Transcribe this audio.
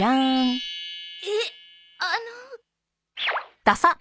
えっあの。